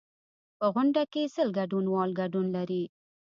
په غونډه کې سل ګډونوال ګډون لري.